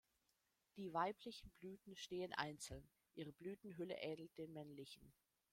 Die weiblichen Blüten stehen einzeln, ihre Blütenhülle ähnelt den männlichen.